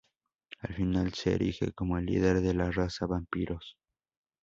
Al final se erige como el líder de la raza vampiros.